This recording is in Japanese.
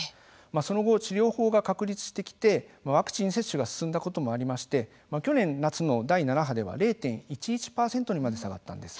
その後、治療法が確立してきてワクチン接種が進んだこともありまして去年、夏の第７波では０．１１％にまで下がったんです。